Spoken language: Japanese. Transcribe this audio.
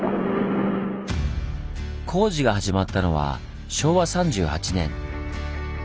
工事が始まったのは昭和３８年。